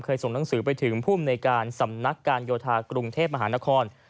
ส่งหนังสือไปถึงภูมิในการสำนักการโยธากรุงเทพมหานคร